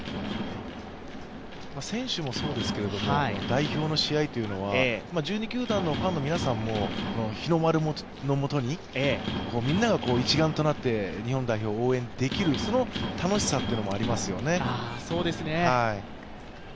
選手もそうですけど代表の試合っていうのは１２球団のファンの皆さんも日の丸のもとにみんなが一丸となって日本代表を応援できる、その楽しさというのもありますよね。